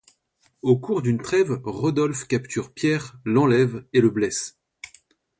Au cours d'une trêve, Rodolphe capture Pierre, l'enlève et le blesse.